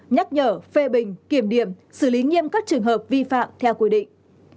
nhắc nhở phê bình kiểm điểm xử lý nghiêm các trường hợp vi phạm theo quy định